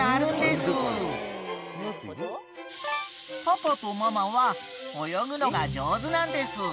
［パパとママは泳ぐのが上手なんです］